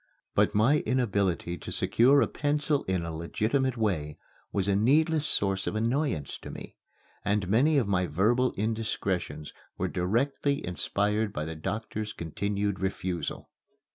But my inability to secure a pencil in a legitimate way was a needless source of annoyance to me, and many of my verbal indiscretions were directly inspired by the doctor's continued refusal.